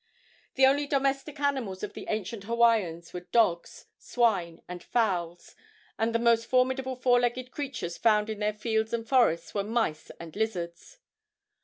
The only domestic animals of the ancient Hawaiians were dogs, swine and fowls, and the most formidable four legged creatures found in their fields and forests were mice and lizards.